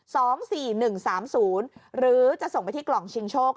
สองสี่หนึ่งสามศูนย์หรือจะส่งไปที่กล่องชิงโชค